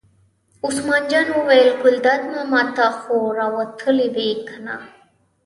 عثمان جان وویل: ګلداد ماما ته خو را وتلې وې کنه.